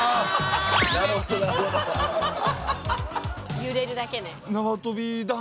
揺れるだけね。